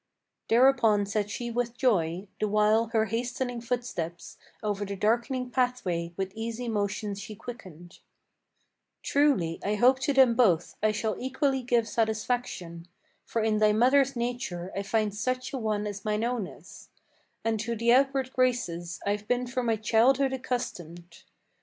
Thereupon said she with joy, the while her hastening footsteps Over the darkening pathway with easy motion she quickened: "Truly I hope to them both I shall equally give satisfaction: For in thy mother's nature I find such an one as mine own is, And to the outward graces I've been from my childhood accustomed.